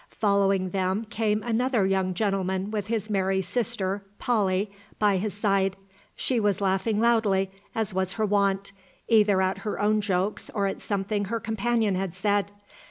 Following them came another young gentleman with his merry sister Polly by his side. She was laughing loudly, as was her wont, either at her own jokes or at something her companion had said.